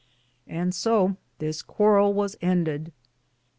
And so this Quarell was ended.